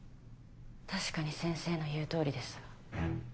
確かに先生の言う通りです。